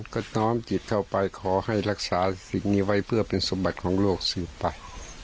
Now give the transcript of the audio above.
ก็น้อมจิตเข้าไปขอให้รักษาสิ่งนี้ไว้เพื่อเป็นสมบัติของโลกสืบไป